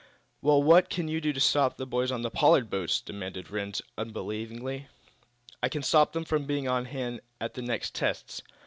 "Well, what can you do to stop the boys on the Pollard boats?" demanded Rhinds, unbelievingly. "I can stop them from being on hand at the next tests.